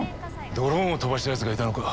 ドローンを飛ばしたやつがいたのか？